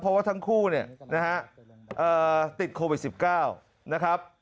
เพราะว่าทั้งคู่เนี่ยนะฮะติดโควิด๑๙นะครับ